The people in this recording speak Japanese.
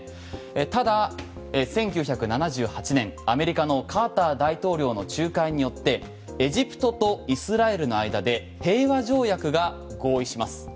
ただ、１９７８年のアメリカのカーター大統領の仲介によってエジプトとイスラエルの間で平和条約が合意します。